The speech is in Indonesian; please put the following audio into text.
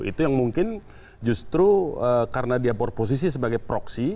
itu yang mungkin justru karena dia berposisi sebagai proksi